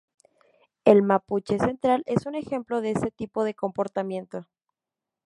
El mapuche central es un ejemplo de ese tipo de comportamiento.